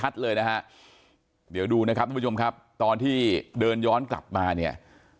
นะฮะเดี๋ยวดูนะครับทุกผู้ชมครับตอนที่เดินย้อนกลับมาเนี่ย